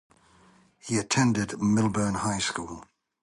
He attended Millburn High School.